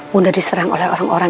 mudah diserang oleh orang orang